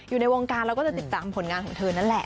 อยู่ในวงการเราก็จะติดตามผลงานของเธอนั่นแหละ